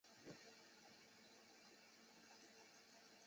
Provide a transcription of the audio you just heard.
非语言讯息通常都比语言讯息来得真实。